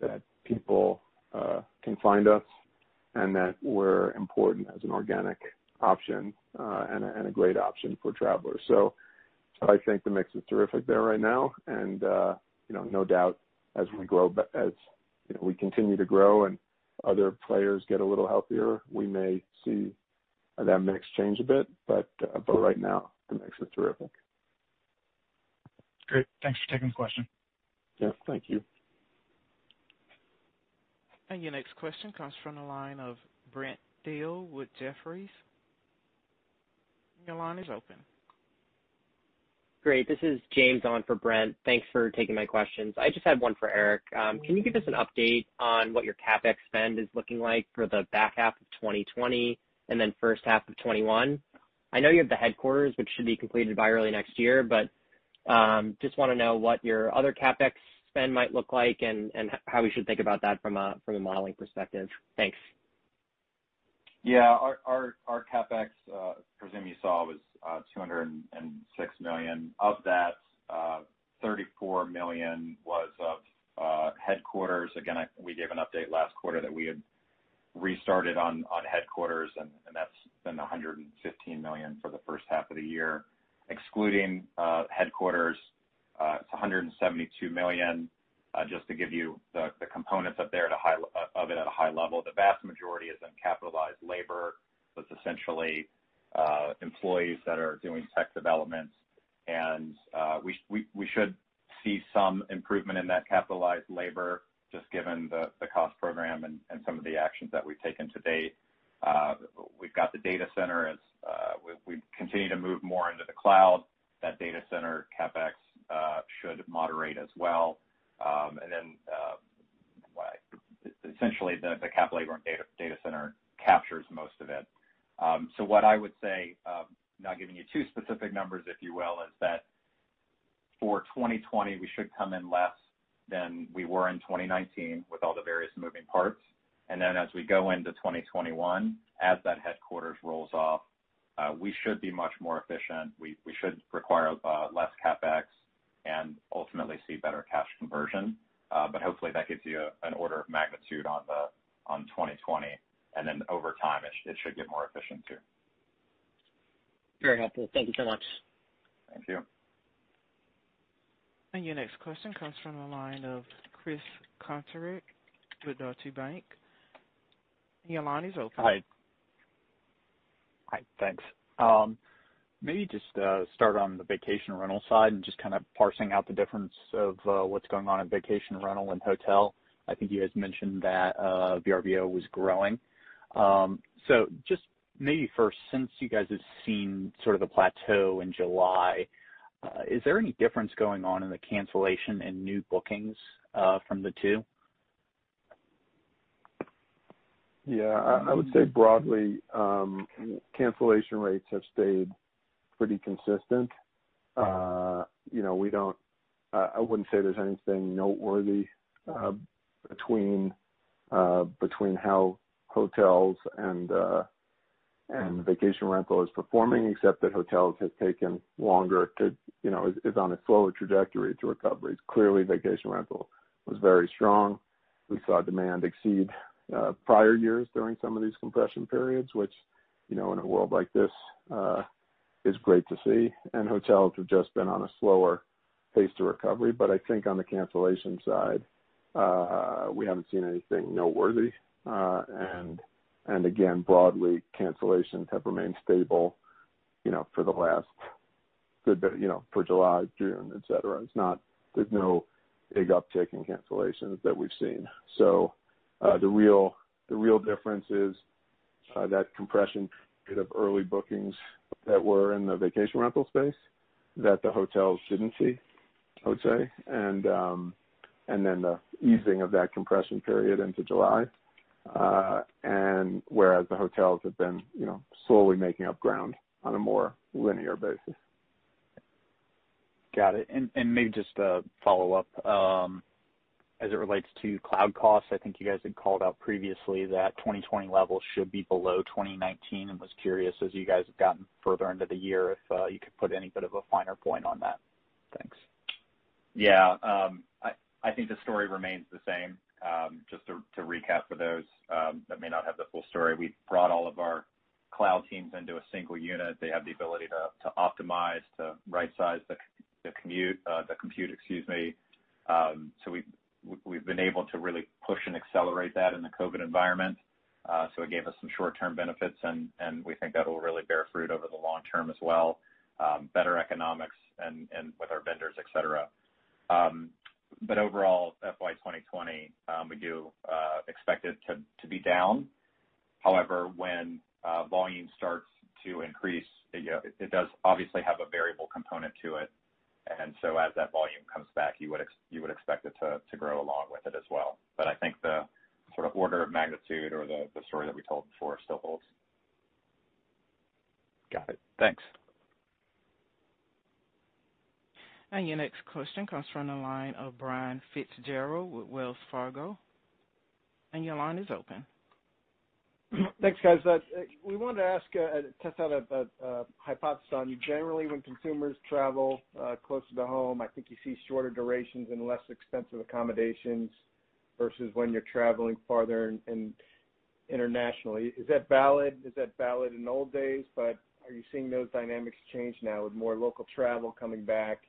that people can find us, and that we're important as an organic option, and a great option for travelers. I think the mix is terrific there right now, and no doubt as we continue to grow and other players get a little healthier, we may see that mix change a bit. Right now, the mix is terrific. Great. Thanks for taking the question. Yeah, thank you. Your next question comes from the line of Brent Thill with Jefferies. Your line is open. Great. This is James on for Brent. Thanks for taking my questions. I just had one for Eric. Can you give us an update on what your CapEx spend is looking like for the back half of 2020 and then first half of 2021? I know you have the headquarters, which should be completed by early next year, but just want to know what your other CapEx spend might look like and how we should think about that from a modeling perspective. Thanks. Our CapEx, I presume you saw, was $206 million. Of that, $34 million was of headquarters. We gave an update last quarter that we had restarted on headquarters, and that's been $115 million for the first half of the year. Excluding headquarters, it's $172 million. To give you the components of it at a high level, the vast majority is in capitalized labor. That's essentially employees that are doing tech development, we should see some improvement in that capitalized labor just given the cost program and some of the actions that we've taken to date. We've got the data center as we continue to move more into the cloud. That data center CapEx should moderate as well. Essentially, the cap labor on data center captures most of it. What I would say, not giving you too specific numbers, if you will, is that for 2020, we should come in less than we were in 2019 with all the various moving parts. Then as we go into 2021, as that headquarters rolls off, we should be much more efficient. We should require less CapEx and ultimately see better cash conversion. Hopefully that gives you an order of magnitude on 2020, and then over time, it should get more efficient too. Very helpful. Thank you so much. Thank you. Your next question comes from the line of Chris Kuntarich with Deutsche Bank. Your line is open. Hi. Thanks. Just start on the vacation rental side and just kind of parsing out the difference of what's going on in vacation rental and hotel. I think you guys mentioned that Vrbo was growing. Just maybe first, since you guys have seen sort of the plateau in July, is there any difference going on in the cancellation in new bookings from the two? Yeah. I would say broadly, cancellation rates have stayed pretty consistent. I wouldn't say there's anything noteworthy between how hotels and vacation rental is performing, except that hotels have taken longer to-- is on a slower trajectory to recovery. Clearly, vacation rental was very strong. We saw demand exceed prior years during some of these compression periods, which in a world like this is great to see. Hotels have just been on a slower pace to recovery. I think on the cancellation side, we haven't seen anything noteworthy. Again, broadly, cancellations have remained stable for the last good bit, for July, June, et cetera. There's no big uptick in cancellations that we've seen. The real difference is that compression period of early bookings that were in the vacation rental space that the hotels didn't see, I would say, and then the easing of that compression period into July. Whereas the hotels have been slowly making up ground on a more linear basis. Got it. Maybe just a follow-up. As it relates to cloud costs, I think you guys had called out previously that 2020 levels should be below 2019 and was curious, as you guys have gotten further into the year, if you could put any bit of a finer point on that. Thanks. Yeah. I think the story remains the same. Just to recap for those that may not have the full story, we brought all of our cloud teams into a single unit. They have the ability to optimize, to right-size the compute, excuse me. We've been able to really push and accelerate that in the COVID-19 environment, so it gave us some short-term benefits, and we think that will really bear fruit over the long term as well, better economics and with our vendors, et cetera. Overall, FY 2020, we do expect it to be down. However, when volume starts to increase, it does obviously have a variable component to it, and so as that volume comes back, you would expect it to grow along with it as well. I think the sort of order of magnitude or the story that we told before still holds. Got it. Thanks. Your next question comes from the line of Brian Fitzgerald with Wells Fargo. Your line is open. Thanks, guys. We wanted to ask, test out a hypothesis on you. Generally, when consumers travel closer to home, I think you see shorter durations and less expensive accommodations versus when you're traveling farther and internationally. Is that valid? Is that valid in old days, but are you seeing those dynamics change now with more local travel coming back,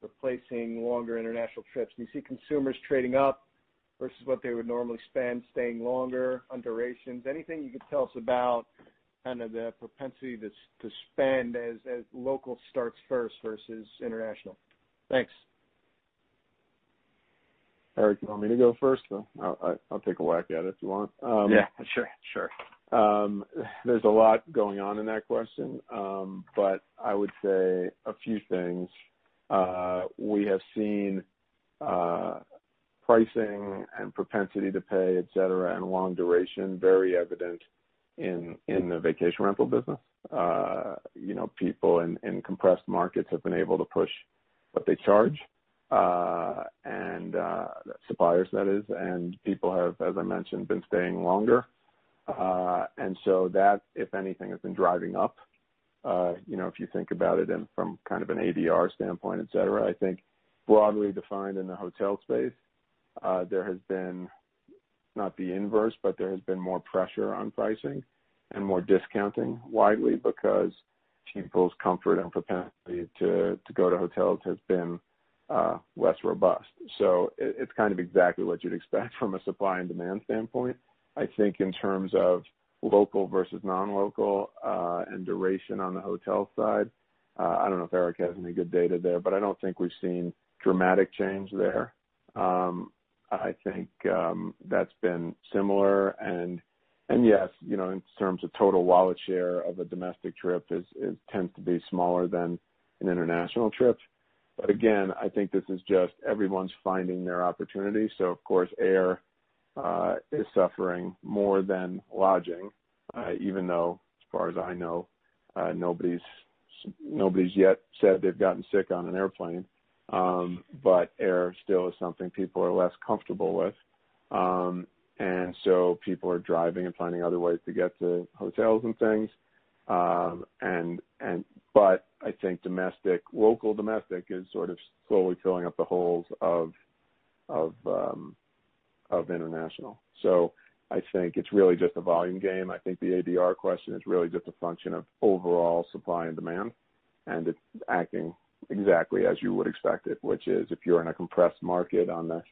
replacing longer international trips? Do you see consumers trading up versus what they would normally spend, staying longer on durations? Anything you could tell us about kind of the propensity to spend as local starts first versus international? Thanks. Eric, you want me to go first? I'll take a whack at it if you want. Yeah, sure. There's a lot going on in that question. I would say a few things. We have seen pricing and propensity to pay, et cetera, and long duration very evident in the vacation rental business. People in compressed markets have been able to push what they charge, and suppliers, that is, and people have, as I mentioned, been staying longer. That, if anything, has been driving up. If you think about it in from kind of an ADR standpoint, et cetera, I think broadly defined in the hotel space, there has been, not the inverse, but there has been more pressure on pricing and more discounting widely because people's comfort and propensity to go to hotels has been less robust. It's kind of exactly what you'd expect from a supply and demand standpoint. I think in terms of local versus non-local, and duration on the hotel side, I don't know if Eric has any good data there, but I don't think we've seen dramatic change there. I think that's been similar, and yes, in terms of total wallet share of a domestic trip, it tends to be smaller than an international trip. Again, I think this is just everyone's finding their opportunity, so of course, air is suffering more than lodging, even though, as far as I know, nobody's yet said they've gotten sick on an airplane, but air still is something people are less comfortable with. So people are driving and finding other ways to get to hotels and things. I think domestic, local domestic is sort of slowly filling up the holes of international. I think it's really just a volume game. I think the ADR question is really just a function of overall supply and demand, and it's acting exactly as you would expect it, which is if you're in a compressed market on the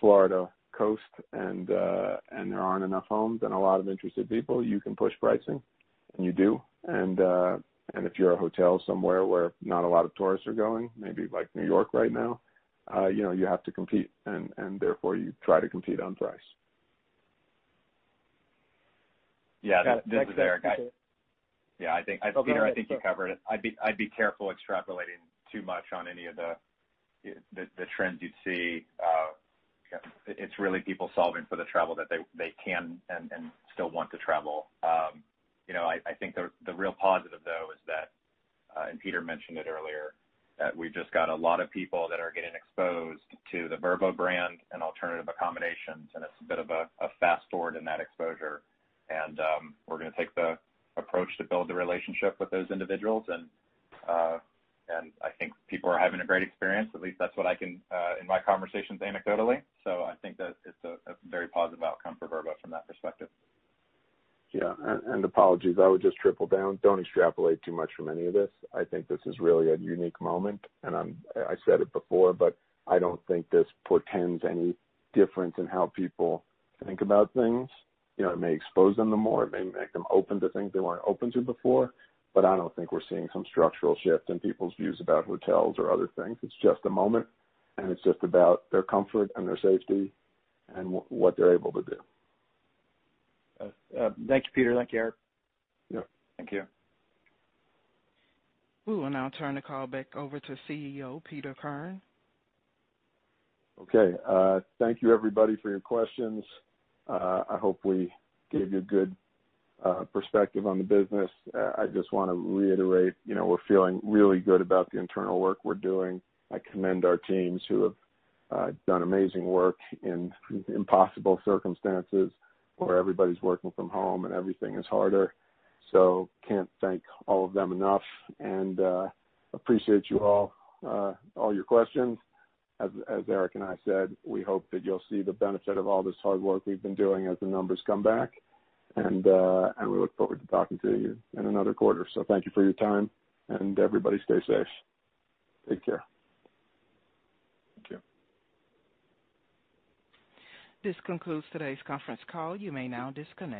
Florida coast and there aren't enough homes and a lot of interested people, you can push pricing, and you do. If you're a hotel somewhere where not a lot of tourists are going, maybe like New York right now, you have to compete, and therefore, you try to compete on price. This is Eric. I think, Peter, I think you covered it. I'd be careful extrapolating too much on any of the trends you'd see. It's really people solving for the travel that they can and still want to travel. I think the real positive, though, is that Peter mentioned it earlier, that we've just got a lot of people that are getting exposed to the Vrbo brand and alternative accommodations, and it's a bit of a fast forward in that exposure. We're going to take the approach to build the relationship with those individuals, and I think people are having a great experience. At least that's what I can, in my conversations anecdotally. I think that it's a very positive outcome for Vrbo from that perspective. Yeah. Apologies, I would just triple down. Don't extrapolate too much from any of this. I think this is really a unique moment, and I said it before, but I don't think this portends any difference in how people think about things. It may expose them to more, it may make them open to things they weren't open to before, but I don't think we're seeing some structural shift in people's views about hotels or other things. It's just a moment, and it's just about their comfort and their safety and what they're able to do. Thank you, Peter. Thank you, Eric. Thank you. We will now turn the call back over to CEO, Peter Kern. Okay. Thank you everybody for your questions. I hope we gave you good perspective on the business. I just want to reiterate, we're feeling really good about the internal work we're doing. I commend our teams who have done amazing work in impossible circumstances where everybody's working from home and everything is harder. Can't thank all of them enough and appreciate you all your questions. As Eric and I said, we hope that you'll see the benefit of all this hard work we've been doing as the numbers come back, and we look forward to talking to you in another quarter. Thank you for your time, and everybody stay safe. Take care. Thank you. This concludes today's conference call. You may now disconnect.